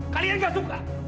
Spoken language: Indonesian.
kalian gak suka